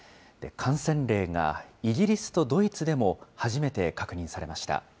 感染例がイギリスとドイツでも初めて確認されました。